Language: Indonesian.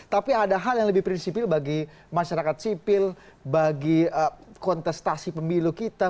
tapi ada hal yang lebih prinsipil bagi masyarakat sipil bagi kontestasi pemilu kita